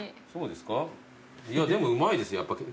いやでもうまいですよ。